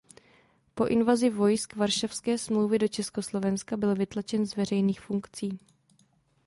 Po invazi vojsk Varšavské smlouvy do Československa byl vytlačen z veřejných funkcí.